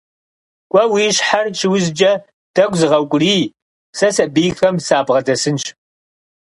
Кӏуэ, уи щхьэр щыузкӏэ тӏэкӏу зыгъэукӏурий, сэ сэбийхэм сабгъэдэсынщ.